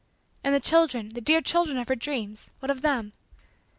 And the children the dear children of her dreams what of them?